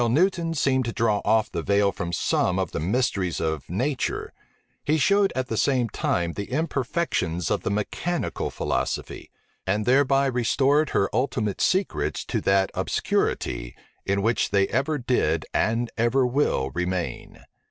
While Newton seemed to draw off the veil from some of the mysteries of nature, he showed at the same time the imperfections of the mechanical philosophy; and thereby restored her ultimate secrets to that obscurity, in which they ever did and ever will remain.